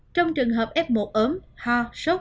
trong trường hợp f một ốm hoa sốt